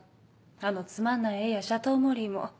あのつまんない絵やシャトーモリーも。